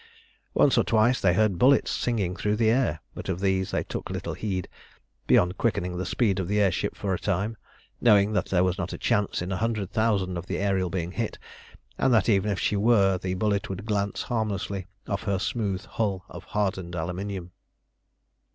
Once or twice they heard bullets singing through the air, but of these they took little heed, beyond quickening the speed of the air ship for the time, knowing that there was not a chance in a hundred thousand of the Ariel being hit, and that even if she were the bullet would glance harmlessly off her smooth hull of hardened aluminium.